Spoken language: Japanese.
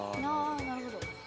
なるほど。